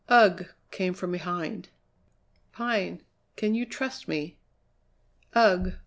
"Ugh!" came from behind. "Pine, can you trust me?" "Ugh!"